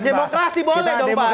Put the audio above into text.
demokrasi boleh dong pak